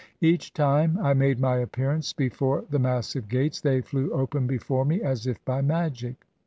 Each time I made my appearance before the massive gates they flev>r open before me as if by magic.